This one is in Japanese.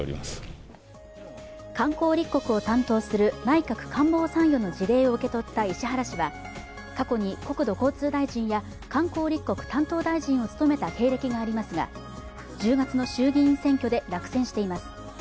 観光立国を担当する内閣官房参与の辞令を受け取った石原氏は過去に国土交通大臣や観光立国担当大臣を務めた経歴がありますが１０月の衆議院選挙で落選しています。